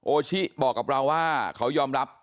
โอชิบอกกับเราว่าเขายอมรับ